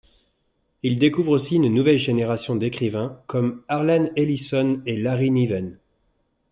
Il découvre aussi une nouvelle génération d’écrivains comme Harlan Ellison et Larry Niven.